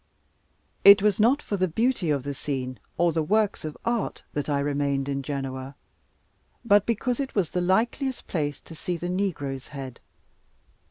It was not for the beauty of the scene, or the works of art, that I remained in Genoa; but because it was the likeliest place to see the Negro's head.